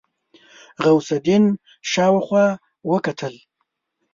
غوث الدين شاوخوا وکتل.